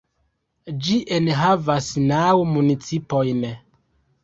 Ĝi enhavas naŭ municipojn.